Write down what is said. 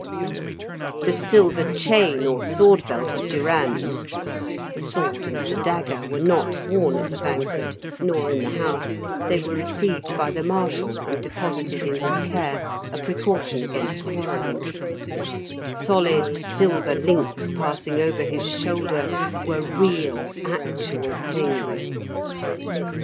The silver chain or sword belt of Durand (the sword and the dagger were not worn at the banquet, nor in the house, they were received by the marshal, and deposited in his care, a precaution against quarrelling), solid silver links passing over his shoulder, were real actual things.